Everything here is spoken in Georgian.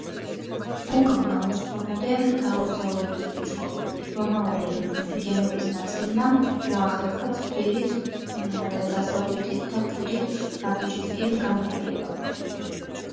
უკან გამოსვლაზე აურზაური დაიწყო, რომაული გემების ნაწილმა მოახერხა ცხვირით დასავლეთით და კუდით ნაპირისკენ განლაგება.